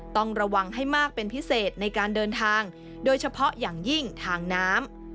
ต้องระวังให้มากเป็นพิเศษในการเดินทางโดยเฉพาะอย่างยิ่งทางน้ำ